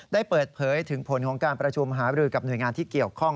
ได้เปิดเผยถึงผลของการประชุมหาบรือกับหน่วยงานที่เกี่ยวข้อง